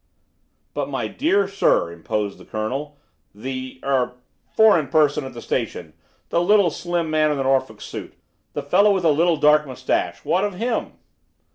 "But, my dear sir," interposed the colonel; "the er foreign person at the station, the little slim man in the Norfolk suit, the fellow with the little dark moustache? What of him?"